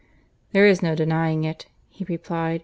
"There is no denying it," he replied.